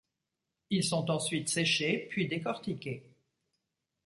Ils sont ensuite séchés puis décortiqués.